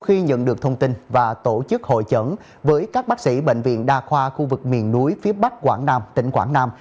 khi nhận được thông tin và tổ chức hội chẩn với các bác sĩ bệnh viện đa khoa khu vực miền núi phía bắc quảng nam tỉnh quảng nam